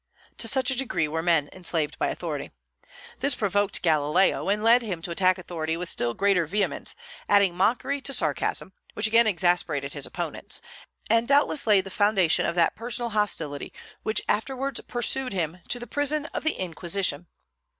To such a degree were men enslaved by authority. This provoked Galileo, and led him to attack authority with still greater vehemence, adding mockery to sarcasm; which again exasperated his opponents, and doubtless laid the foundation of that personal hostility which afterwards pursued him to the prison of the Inquisition.